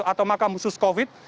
yang dimakamkan di makam keputih